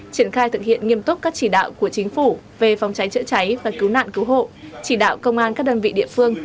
triển khai thực hiện nghiêm túc các chỉ đạo của chính phủ về phòng cháy chữa cháy và cứu nạn cứu hộ chỉ đạo công an các đơn vị địa phương